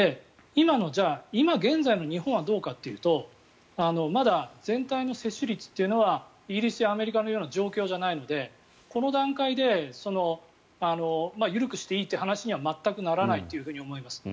今現在の日本はどうかというとまだ、全体の接種率というのはイギリスやアメリカのような状況じゃないのでこの段階で緩くしていいという話には全くならないと思います。